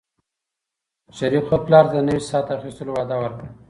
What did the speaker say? شریف خپل پلار ته د نوي ساعت اخیستلو وعده ورکړه.